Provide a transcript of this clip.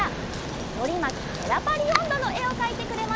「のりまきペラパリおんど」のえをかいてくれました。